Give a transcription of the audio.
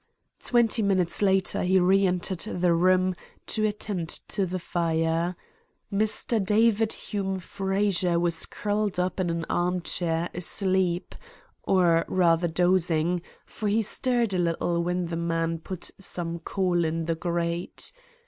"Twenty minutes later he re entered the room to attend to the fire. Mr. David Hume Frazer was curled up in an arm chair asleep, or rather dozing, for he stirred a little when the man put some coal in the grate.